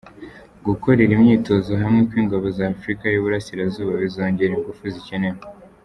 Gukorera imyitozo hamwe kw’Ingabo za Afurika y’Iburasirazuba bizongera ingufu zikenewe